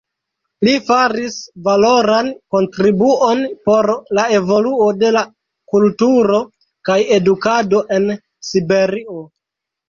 Li faris valoran kontribuon por la evoluo de la kulturo kaj edukado en Siberio.